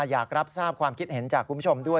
อยากรับทราบความคิดเห็นจากคุณผู้ชมด้วย